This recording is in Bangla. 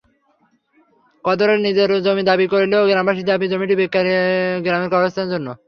কদর আলী নিজের জমি দাবি করলেও গ্রামবাসীর দাবি, জমিটি গ্রামের কবরস্থানের জন্য।